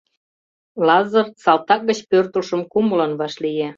Лазыр салтак гыч пӧртылшым кумылын вашлие.